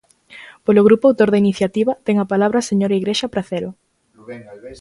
Polo grupo autor da iniciativa, ten a palabra a señora Igrexa Pracero.